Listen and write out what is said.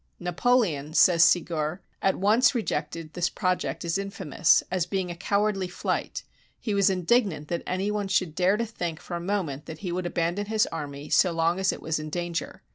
"Napoleon," says Segur, "at once rejected this proj ect as infamous, as being a cowardly flight; he was indig nant that any one should dare to think for a moment that he would abandon his army so long as it was in danger.